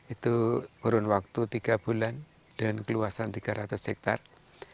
itu kurun waktu tiga bulan dan keluasan tiga ratus hektare